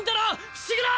伏黒！